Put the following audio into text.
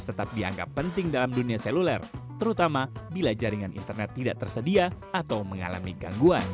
tetap dianggap penting dalam dunia seluler terutama bila jaringan internet tidak tersedia atau mengalami gangguan